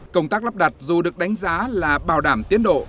công tác lắp đặt dù được đánh giá là bảo đảm tiến độ